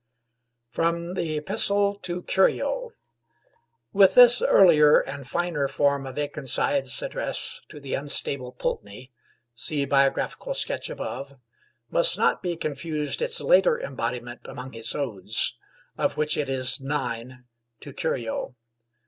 FROM THE EPISTLE TO CURIO [With this earlier and finer form of Akenside's address to the unstable Pulteney (see biographical sketch above) must not be confused its later embodiment among his odes; of which it is 'IX: to Curio.'